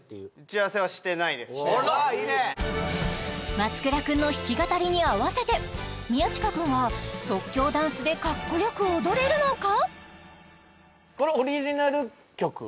松倉君の弾き語りに合わせて宮近君は即興ダンスでかっこよく踊れるのか？